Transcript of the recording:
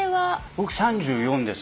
僕３４です。